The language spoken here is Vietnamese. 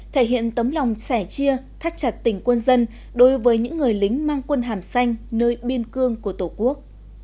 thể hiện tấm lòng sẻ chia thắt chặt tình quân dân đối với những người lính mang quân hàm xanh nơi biên cương của tổ quốc